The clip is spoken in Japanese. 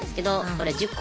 これ１０個。